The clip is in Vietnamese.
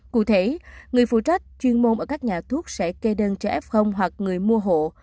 cụ thể người phụ trách chuyên môn ở các nhà thuốc sẽ kê đơn cho f hoặc người mua hộ